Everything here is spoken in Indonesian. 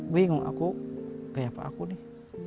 bingung aku kayak apa aku nih